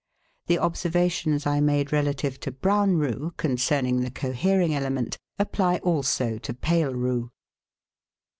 The observations I made relative to brown roux, concerning the cohering element, apply also to pale roux.